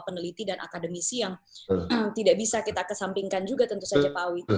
peneliti dan akademisi yang tidak bisa kita kesampingkan juga tentu saja pak awi